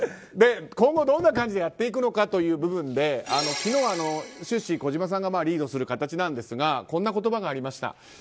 今後どんな感じでやっていくのかという部分で昨日、終始、児嶋さんがリードする形なんですがこんな言葉がありました。